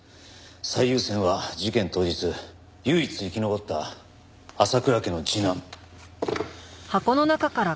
最優先は事件当日唯一生き残った浅倉家の次男。